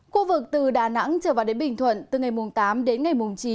khu vực từ đà nẵng trở vào đến bình thuận từ ngày tám đến ngày mùng chín